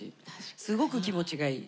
すごく気持ちがいい。